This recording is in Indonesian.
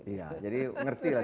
iya jadi ngerti lah